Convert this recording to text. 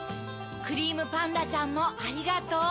クリームパンダちゃんもありがとう。